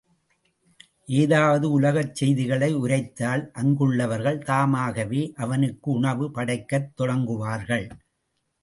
ஏதாவது உலகச் செய்திகளை உரைத்தால் அங்குள்ளவர்கள் தாமாகவே அவனுக்கு உணவு படைக்கத் தொடங்குவார்கள்.